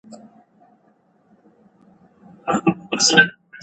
هومره یې ځان تور او پردی احساساوه.